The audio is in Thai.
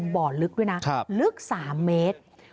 บ่อลึกดีนะลึก๓เมตรครับครับ